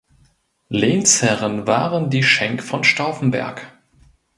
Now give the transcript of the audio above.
Lehnsherren waren die Schenk von Stauffenberg.